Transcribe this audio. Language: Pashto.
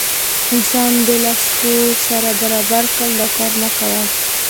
انسان دې له سپو سره برابر کړل دا کار مه کوه.